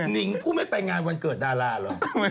พี่หนิงมาบ่อยนะคะชอบเห็นมั้ยดูมีสาระหน่อย